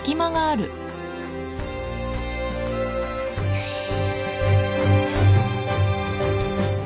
よし。